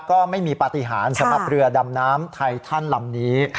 ก็ไม่มีปฏิหารสำหรับเรือดำน้ำไททันลำนี้